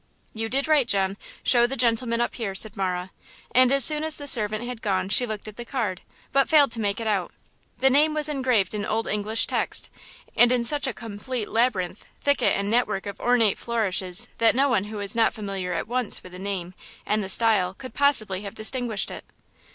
"You did right, John. Show the gentleman up here," said Marah; and as soon as the servant had gone she looked at the card, but failed to make it out. The name was engraved in Old English text, and in such a complete labyrinth, thicket and network of ornate flourishes that no one who was not familiar at once with the name and the style could possibly have distinguished it.